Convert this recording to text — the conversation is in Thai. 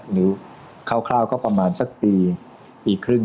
หรือคร่าวก็ประมาณสักปีครึ่ง